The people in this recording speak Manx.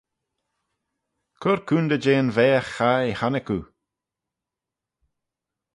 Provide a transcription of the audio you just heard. Cur coontey jeh'n vaagh chaie honnick oo.